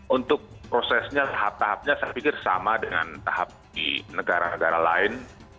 untuk prosesnya tahap tahapnya saya pikir sama dengan tahap di negara negara lain